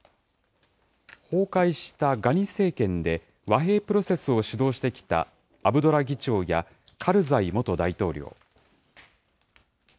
崩壊したガニ政権で和平プロセスを主導してきたアブドラ議長やカルザイ元大統領。